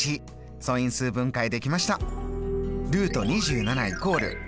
素因数分解できました。